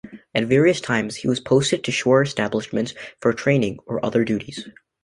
At various times he was posted to shore establishments for training or other duties.